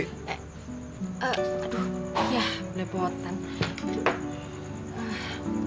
eh aduh ya melepotan